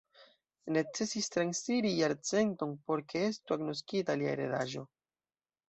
Necesis transiri jarcenton por ke estu agnoskita lia heredaĵo.